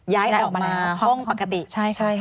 ย้ายออกมาห้องปกติ